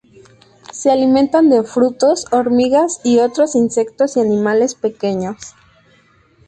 Se alimentan de frutos, hormigas y otros insectos y animales pequeños.